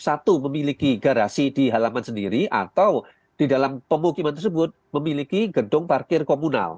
satu memiliki garasi di halaman sendiri atau di dalam pemukiman tersebut memiliki gedung parkir komunal